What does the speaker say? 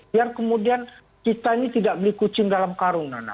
biar kemudian kita ini tidak beli kucing dalam karung nana